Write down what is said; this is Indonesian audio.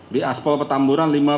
di aspol petamburan